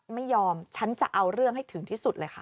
ไม่ยอมฉันจะเอาเรื่องให้ถึงที่สุดเลยค่ะ